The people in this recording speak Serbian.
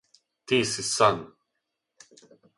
Ти си сан.